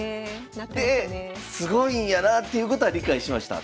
すごいんやなということは理解しました。